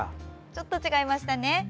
ちょっと違いましたね。